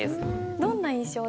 どんな印象ですか？